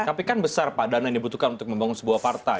tapi kan besar pak dana yang dibutuhkan untuk membangun sebuah partai